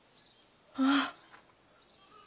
ああ。